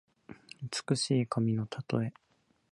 美しい髪のたとえ。